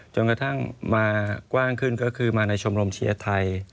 จนกระทั่งมากว้างขึ้นก็คือมาในชมรมเชียร์ไทย